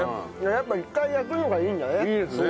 やっぱ一回焼くのがいいんだね。